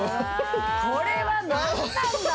これは何なんだ！